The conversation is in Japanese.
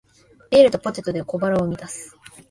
ビールとポテトで小腹を満たす